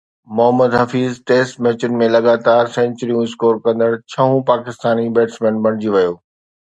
Muhammad Hafeez test ميچن ۾ لڳاتار سينچريون اسڪور ڪندڙ ڇهون پاڪستاني بيٽسمين بڻجي ويو